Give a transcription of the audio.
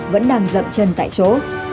vẫn đang dậm chân tại chỗ